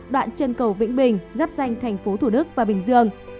đoạn trân cầu vĩnh bình dắp danh tp thủ đức và bình dương